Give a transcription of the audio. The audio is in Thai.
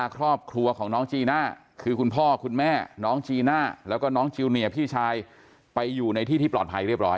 ครอบครัวของน้องจีน่าคือคุณพ่อคุณแม่น้องจีน่าแล้วก็น้องจิลเนียร์พี่ชายไปอยู่ในที่ที่ปลอดภัยเรียบร้อย